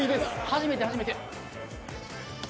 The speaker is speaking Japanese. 初めて初めて。